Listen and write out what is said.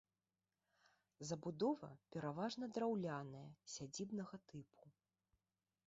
Забудова пераважна драўляная сядзібнага тыпу.